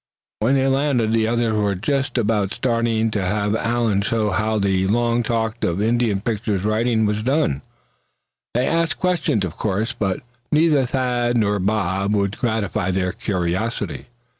When they landed the others were just about starting out to have Allan show how the long talked of Indian picture writing was done. They asked questions, of course but neither Thad nor Bob would gratify their curiosity.